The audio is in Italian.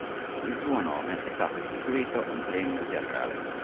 In suo nome è stato istituito un premio teatrale.